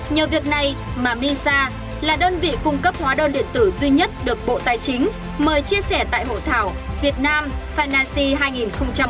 nhờ việc này mà misa là đơn vị cung cấp hóa đơn điện tử duy nhất được bộ tài chính mời chia sẻ tại hội thảo việt nam financi hai nghìn một mươi tám